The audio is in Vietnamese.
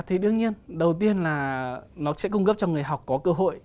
thì đương nhiên đầu tiên là nó sẽ cung cấp cho người học có cơ hội